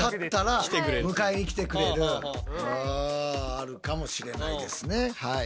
あるかもしれないですねはい。